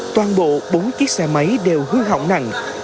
toàn bộ bốn chiếc xe máy đều hư hỏng nặng